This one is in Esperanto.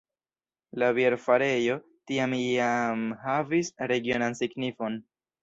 La bierfarejo tiam jam havis regionan signifon.